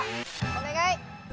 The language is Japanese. お願い。